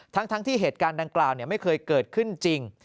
ทั้งที่เหตุการณ์ดังกล่าวไม่เคยเกิดขึ้นจริง